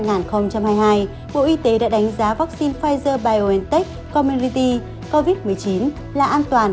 ngày một ba hai nghìn hai mươi hai bộ y tế đã đánh giá vaccine pfizer biontech community covid một mươi chín là an toàn